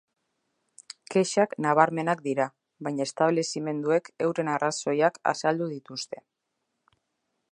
Kexak nabarmenak dira, baina establezimenduek euren arrazoiak azaldu dituzte.